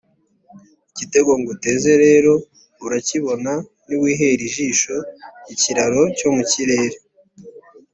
Igitego nguteze rero urakibona niwihera ijisho ikiraro cyo mu kirere,